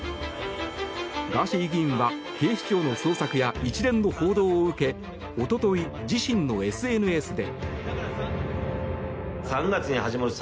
ガーシー議員は警視庁の捜索や一連の報道を受け一昨日、自身のＳＮＳで。